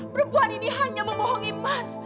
perempuan ini hanya membohongi emas